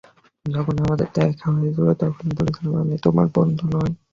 যখন আমাদের দেখা হয়েছিল তখনই বলেছিলাম, আমি তোমার বন্ধু নই।